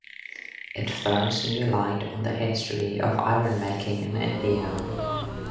It throws new light on the history of iron-making in India.